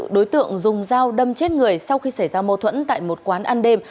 đối tượng dùng dao đâm chết người sau khi xảy ra mâu thuẫn tại một quán ăn đêm